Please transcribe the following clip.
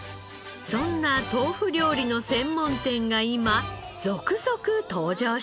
そんな豆腐料理の専門店が今続々登場しています。